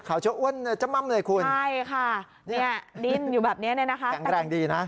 ขาวชั่วอ้วนจะม่ำเลยคุณใช่ค่ะดินอยู่แบบนี้นะครับแข็งแรงดีนะ